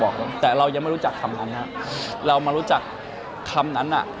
แต่เรายังไม่รู้จักคำนั้นฮะเรามารู้จักคำนั้นน่ะ